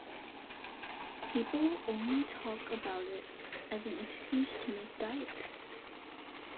People only talk about it as an excuse to make diagrams.